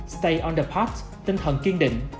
stay on the pot tinh thần kiên định